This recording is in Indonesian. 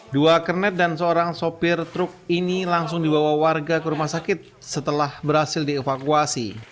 dua kernet dan seorang sopir truk ini langsung dibawa warga ke rumah sakit setelah berhasil dievakuasi